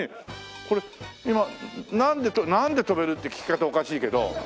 これ今なんで跳べる？って聞き方おかしいけど。